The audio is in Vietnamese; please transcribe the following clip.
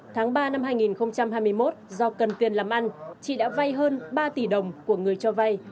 tháng ba năm hai nghìn hai mươi một do cần tiền làm ăn chị đã vay hơn ba tỷ đồng của người cho vay